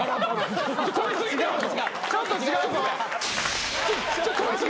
ちょっと違うぞ。